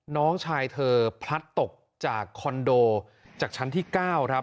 น้องชายเธอพลัดตกจากคอนโดจากชั้นที่๙ครับ